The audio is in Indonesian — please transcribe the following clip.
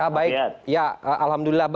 baik ya alhamdulillah